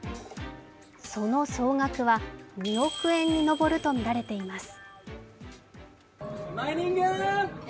その総額は２億円に上るとみられています。